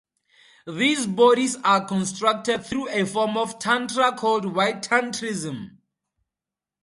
These bodies are constructed through a form of Tantra called White tantrism.